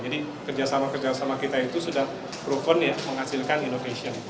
jadi kerjasama kerjasama kita itu sudah propon menghasilkan innovation